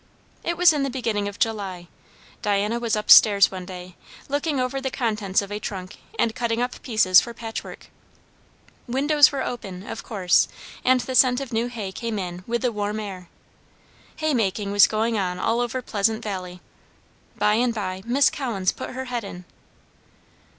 It was in the beginning of July. Diana was up stairs one day, looking over the contents of a trunk, and cutting up pieces for patchwork. Windows were open, of course, and the scent of new hay came in with the warm air. Haymaking was going on all over Pleasant Valley. By and by Miss Collins put her head in.